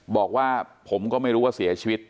บอกว่าผมก็ไม่รู้ว่าเสียชีวิต